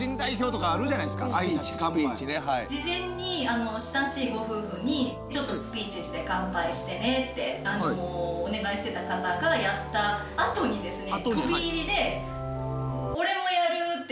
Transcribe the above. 事前に親しいご夫婦にちょっとスピーチして乾杯してねってお願いしてた方がやったあとにですね